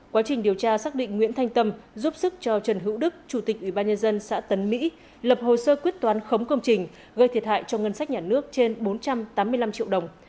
quá trình điều tra xác định nguyễn thanh tâm giúp sức cho trần hữu đức chủ tịch ubnd xã tấn mỹ lập hồ sơ quyết toán khống công trình gây thiệt hại cho ngân sách nhà nước trên bốn trăm tám mươi năm triệu đồng